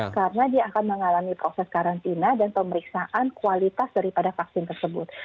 karena dia akan mengalami proses karantina dan pemeriksaan kualitas daripada vaksin tersebut